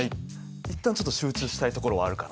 一旦ちょっと集中したいところはあるかな。